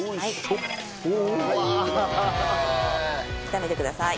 炒めてください。